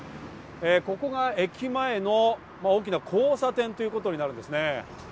ここが駅前の大きな交差点ということになるんですね。